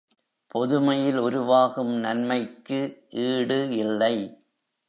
பொதுமையில் உருவாகும் நன்மைக்கு ஈடு இல்லை.